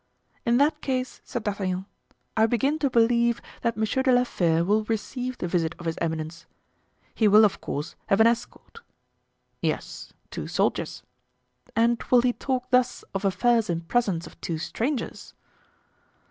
"In that case," said D'Artagnan, "I begin to believe that Monsieur de la Fere will receive the visit of his eminence; he will, of course, have an escort." "Yes—two soldiers." "And will he talk thus of affairs in presence of two strangers?"